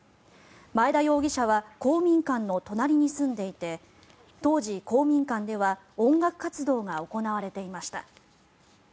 前田容疑者は公民館の隣に住んでいて当時、公民館では音楽活動が行われていました。